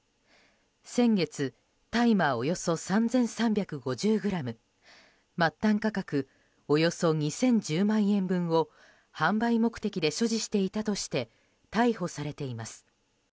先月、大麻およそ３３５０ｇ末端価格およそ２０１０万円分を販売目的で所持していたとして逮捕されています。